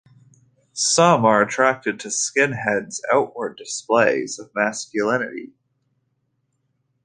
Some are attracted to skinheads' outward displays of masculinity.